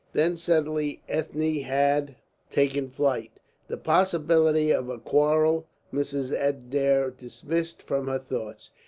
Then suddenly Ethne had taken flight. The possibility of a quarrel Mrs. Adair dismissed from her thoughts.